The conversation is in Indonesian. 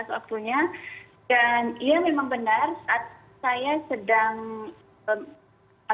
baik selamat pagi kak maggie terima kasih atas waktunya